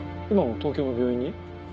今も東京の病院に？